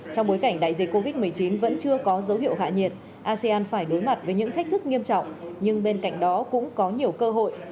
trong bối cảnh đại dịch covid một mươi chín vẫn chưa có dấu hiệu hạ nhiệt asean phải đối mặt với những thách thức nghiêm trọng nhưng bên cạnh đó cũng có nhiều cơ hội